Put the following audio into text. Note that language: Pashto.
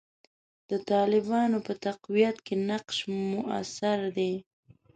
د طالبانو په تقویت کې نقش موثر دی.